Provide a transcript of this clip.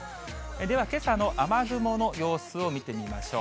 では、けさの雨雲の様子を見てみましょう。